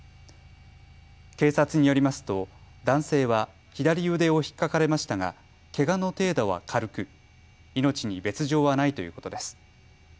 警察によりますと男性は左腕をひっかかれましたがけがの程度は軽く命に別状はないということです。